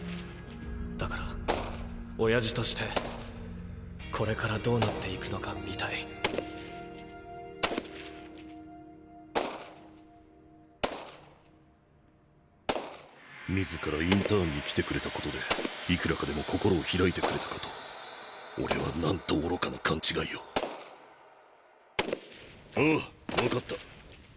だから親父としてこれからどうなっていくのか見たい自らインターンに来てくれたことでいくらかでも心を開いてくれたかと俺はなんと愚かな勘違いをああわかった。